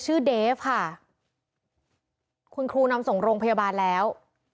เดฟค่ะคุณครูนำส่งโรงพยาบาลแล้ว